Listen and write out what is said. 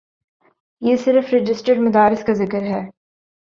یہ صرف رجسٹرڈ مدارس کا ذکر ہے۔